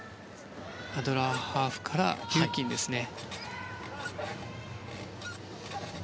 アドラーハーフからリューキンですね。